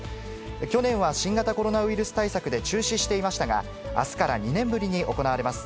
去年は新型コロナウイルス対策で中止していましたが、あすから２年ぶりに行われます。